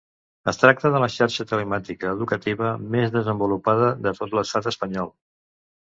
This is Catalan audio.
Es tracta de la xarxa telemàtica educativa més desenvolupada de tot l'Estat espanyol.